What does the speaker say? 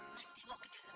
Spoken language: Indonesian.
mas dewo ke dalam